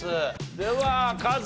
ではカズ。